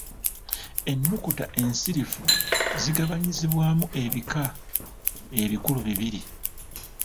Ennukuta ensirifu zigabanyizibwamu ebika ebikulu bibiri.